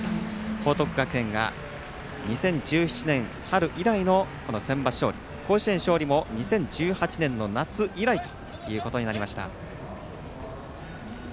報徳学園が２０１７年春以来のこのセンバツ勝利甲子園勝利も２０１８年の夏以来ということになりました。